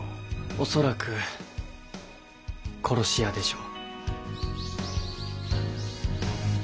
恐らく殺し屋でしょう。